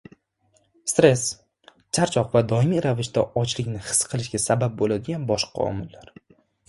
Stress, charchoq va doimiy ravishda ochlikni his qilishga sabab bo‘ladigan boshqa omillar